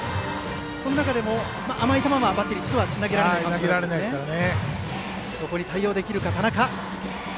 その中でも甘い球はバッテリーは投げられないですね。